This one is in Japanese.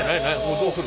どうする？